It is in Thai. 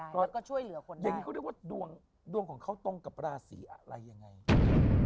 อย่างนี้ก็เรียกว่าดวงของเขาตรงกับราศีอะไรยังไง